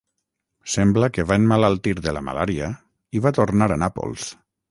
Sembla que va emmalaltir de la malària i va tornar a Nàpols.